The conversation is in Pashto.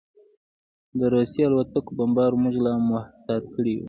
د روسي الوتکو بمبار موږ لا محتاط کړي وو